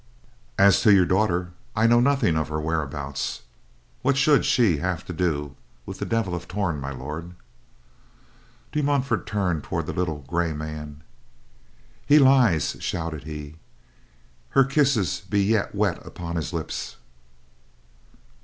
As to your daughter: I know nothing of her whereabouts. What should she have to do with the Devil of Torn, My Lord?" De Montfort turned toward the little gray man. "He lies," shouted he. "Her kisses be yet wet upon his lips."